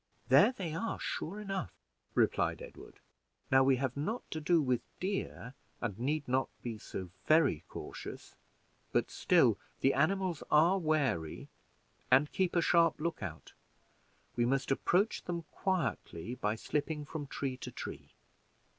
"There they are, sure enough," replied Edward; "now we have not to do with deer, and need not to be so very cautious; but still the animals are wary, and keep a sharp look out. We must approach them quietly, by slipping from tree to tree.